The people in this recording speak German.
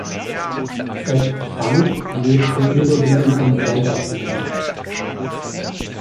Sepp Frank lebte überwiegend in Feldafing.